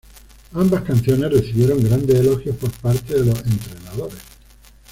Ambas canciones recibieron grandes elogios por parte de los entrenadores.